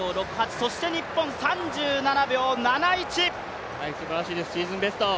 日本そして３７秒７１すばらしいです、シーズンベスト。